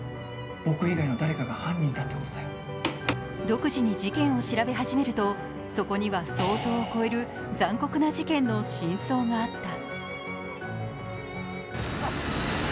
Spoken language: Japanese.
独自に事件を調べ始めると、そこには想像を超える残酷な事件の真相があった。